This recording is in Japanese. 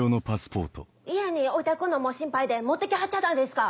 家に置いてくんのも心配で持って来はっちゃったんですが。